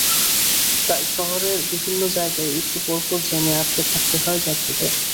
তাই শহরের বিভিন্ন জায়গায় একটু পরপর জ্যামে আটকে থাকতে হয় যাত্রীদের।